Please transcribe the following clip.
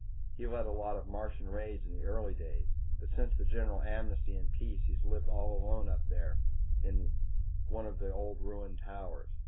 He led a lot of Martian raids in the early days, but since the general amnesty and peace he's lived all alone up there, in one of the old ruined towers.